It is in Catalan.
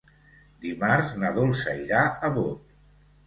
Dimarts na Dolça irà a Bot.